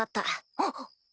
あっ。